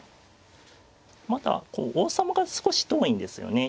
まだこう王様が少し遠いんですよね。